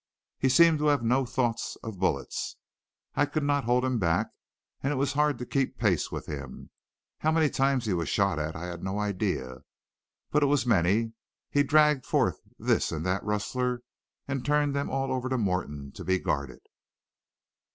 He seemed to have no thoughts of bullets. I could not hold him back, and it was hard to keep pace with him. How many times he was shot at I had no idea, but it was many. He dragged forth this and that rustler, and turned them all over to Morton to be guarded.